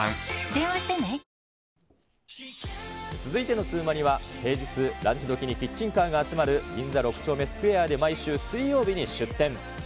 続いてのツウマニは、平日、ランチどきにキッチンカーが集まる銀座６丁目スクエアで毎週水曜日に出店。